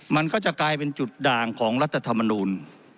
มันก็จะกลายเป็นจุดด่างของรัฐธรรมนูล